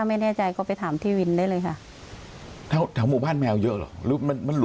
มันมีแมวจรแมวจรทั้งหมู่บ้านอื่นก็มา